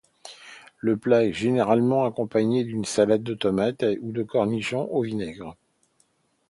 Ce plat est généralement accompagné d'une salade de tomate ou de cornichons au vinaigre.